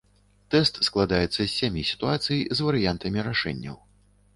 Тэст складаецца з сямі сітуацый з варыянтамі рашэнняў.